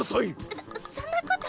そそんなこと。